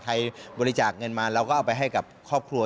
ใครบริจาคเงินมาเราก็เอาไปให้กับครอบครัว